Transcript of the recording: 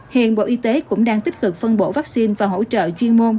hiện bộ y tế cũng đang tích cực phân bổ vaccine và hỗ trợ chuyên môn